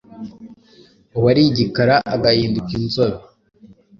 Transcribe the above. uwari igikara agahinduka inzobe